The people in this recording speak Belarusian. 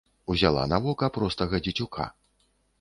Узяла на вока простага дзецюка.